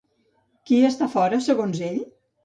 Qui està fora segons ell?